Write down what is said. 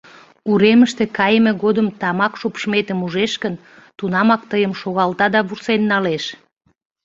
Уремыште кайыме годым тамак шупшметым ужеш гын, тунамак тыйым шогалта да вурсен налеш.